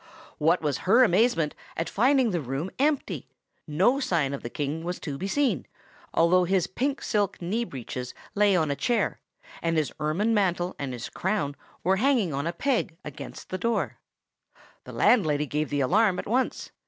What was her amazement at finding the room empty; no sign of the King was to be seen, although his pink silk knee breeches lay on a chair, and his ermine mantle and his crown were hanging on a peg against the wall. The landlady gave the alarm at once.